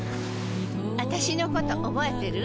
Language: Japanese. あたしのこと覚えてる？